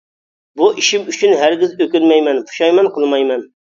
بۇ ئىشىم ئۈچۈن ھەرگىز ئۆكۈنمەيمەن، پۇشايمان قىلمايمەن.